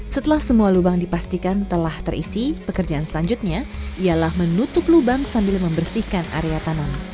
setelah semua lubang dipastikan telah terisi pekerjaan selanjutnya ialah menutup lubang sambil membersihkan area tanam